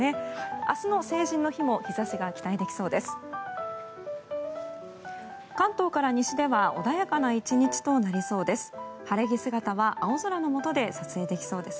明日の成人の日も日差しが期待できそうです。